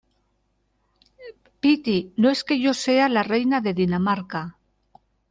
piti, no es que yo sea la reina de Dinamarca